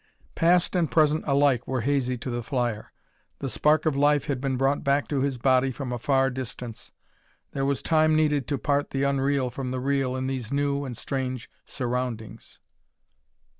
Past and present alike were hazy to the flyer; the spark of life had been brought back to his body from a far distance; there was time needed to part the unreal from the real in these new and strange surroundings.